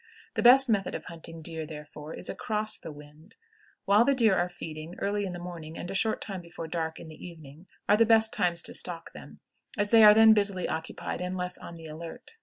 The best method of hunting deer, therefore, is across the wind. While the deer are feeding, early in the morning and a short time before dark in the evening are the best times to stalk them, as they are then busily occupied and less on the alert.